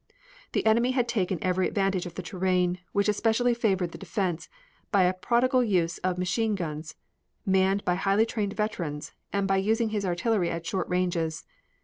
The enemy had taken every advantage of the terrain, which especially favored the defense, by a prodigal use of machine guns manned by highly trained veterans and by using his artillery at short ranges.